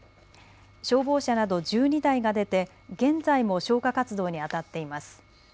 消防車など１２台が出て現在も消火活動にあたっています。